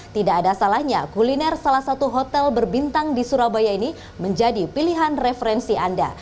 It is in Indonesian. tidak ada salahnya kuliner salah satu hotel berbintang di surabaya ini menjadi pilihan referensi anda